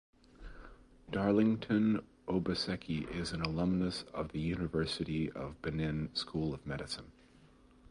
Darlington Obaseki is an alumnus of the University of Benin School of Medicine.